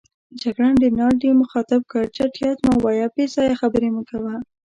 جګړن رینالډي مخاطب کړ: چټیات مه وایه، بې ځایه خبرې مه کوه.